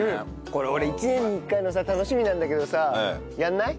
これ俺１年に１回のさ楽しみなんだけどさやらない？